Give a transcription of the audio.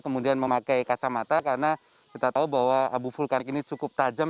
kemudian memakai kacamata karena kita tahu bahwa abu full air ini akan menyebabkan